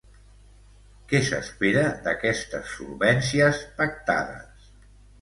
Què s'espera d'aquestes solvències pactades?